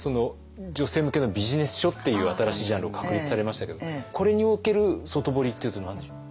女性向けのビジネス書っていう新しいジャンルを確立されましたけれどもこれにおける外堀っていうと何でしょう？